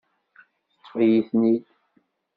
Teṭṭef-iyi-ten-id.